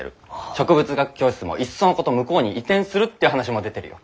植物学教室もいっそのこと向こうに移転するって話も出てるよ。